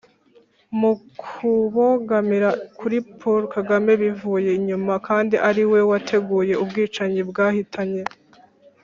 mu kubogamira kuri paul kagame bivuye inyuma kandi ari we wateguye ubwicanyi bwahitanye